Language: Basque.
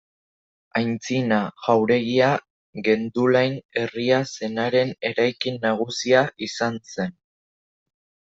Aintzina, jauregia Gendulain herria zenaren eraikin nagusia izan zen.